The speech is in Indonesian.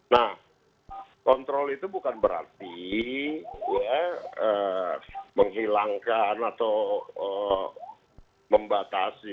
nah kontrol itu bukan berarti ya menghilangkan atau membatasi